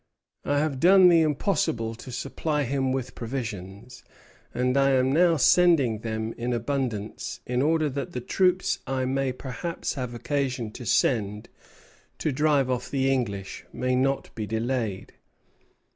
"I have done the impossible to supply him with provisions, and I am now sending them in abundance, in order that the troops I may perhaps have occasion to send to drive off the English may not be delayed."